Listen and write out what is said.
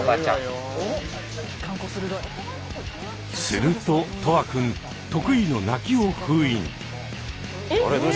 すると大志君得意の「鳴き」を封印。